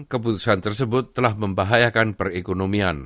keputusan tersebut telah membahayakan perekonomian